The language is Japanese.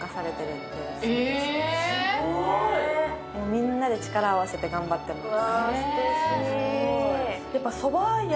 みんなで力を合わせて頑張ってます。